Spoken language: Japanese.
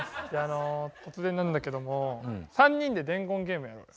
突然なんだけども３人で伝言ゲームやろうよ。